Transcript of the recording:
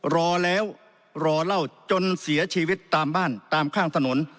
รอแล้วรอเล่าจนเสียชีวิตตามบ้านตามข้างถนน